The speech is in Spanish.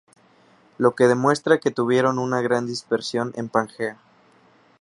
Lo que demuestra que tuvieron una gran dispersión en Pangea.